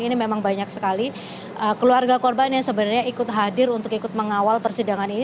ini memang banyak sekali keluarga korban yang sebenarnya ikut hadir untuk ikut mengawal persidangan ini